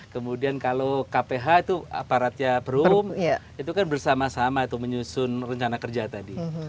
kemudian kalau kph itu aparatnya perum itu kan bersama sama itu menyusun rencana kerja tadi